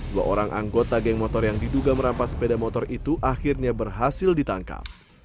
dua orang anggota geng motor yang diduga merampas sepeda motor itu akhirnya berhasil ditangkap